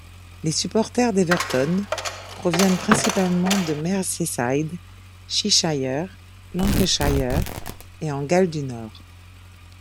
Les supporters d'Everton proviennent principalement de Merseyside, Cheshire, Lancashire et en Galles du Nord.